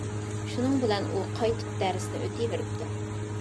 شۇنىڭ بىلەن ئۇ قايتىپ دەرسىنى ئۆتۈۋېرىپتۇ.